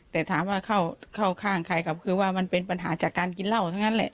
แต่ถามว่าเข้าข้างใครครับคือว่ามันเป็นปัญหาจากการกินเหล้าทั้งนั้นแหละ